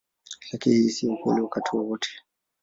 Lakini hii si kweli wakati wote.